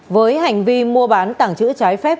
với hành vi mua bán tảng chữ trái phép